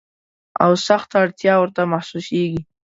او سخته اړتیا ورته محسوسیږي.